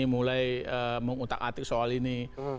mulai mengutak atik soal ini